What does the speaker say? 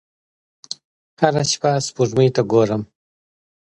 هره شپه سپوږمۍ ته ګورم